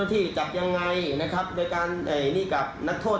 ที่ช่องหนึ่งบอกว่าถ้าจะเชิญตัวให้เอาไปรับนะครับ